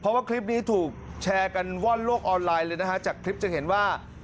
เพราะว่าคลิปนี้ถูกแชร์กันว่อนโลกออนไลน์เลยนะฮะจากคลิปจะเห็นว่า